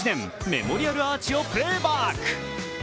メモリアルアーチをプレーバック。